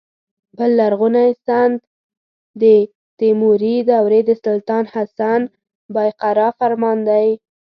بل لرغونی سند د تیموري دورې د سلطان حسن بایقرا فرمان دی.